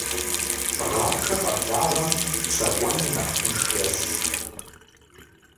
Гъатхэ къэблагъэм щэкӀуэныр нэхъ тынш ещӀ.